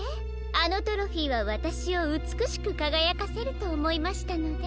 あのトロフィーはわたしをうつくしくかがやかせるとおもいましたので。